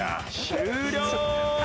終了。